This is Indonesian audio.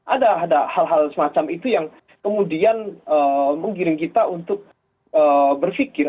ada hal hal semacam itu yang kemudian menggiring kita untuk berpikir